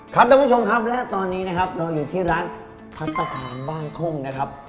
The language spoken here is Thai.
ท่านผู้ชมครับและตอนนี้นะครับเราอยู่ที่ร้านพัฒนาคารบ้านทุ่งนะครับ